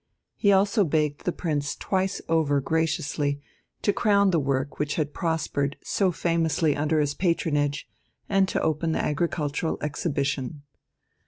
He also begged the Prince twice over graciously to crown the work which had prospered so famously under his patronage, and to open the agricultural exhibition.